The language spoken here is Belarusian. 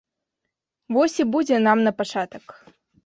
Вось і будзе нам на пачатак.